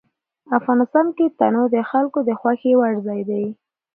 افغانستان کې تنوع د خلکو د خوښې وړ ځای دی.